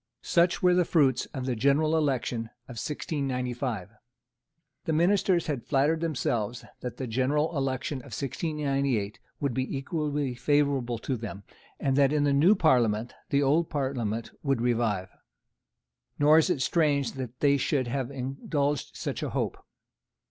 Such were the fruits of the general election of 1695. The ministers had flattered themselves that the general election of 1698 would be equally favourable to them, and that in the new Parliament the old Parliament would revive. Nor is it strange that they should have indulged such a hope.